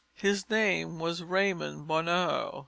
His name was Raymond Bonheur.